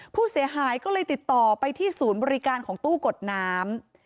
ผู้เสียหายก็เลยติดต่อไปที่ศูนย์บริการของตู้กดน้ำ